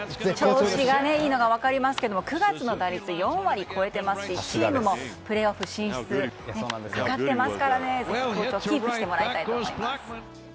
調子がいいのが分かりますが９月の打率、４割超えていますしチームもプレーオフ進出がかかってますからぜひ、好調をキープしてもらいたいと思います。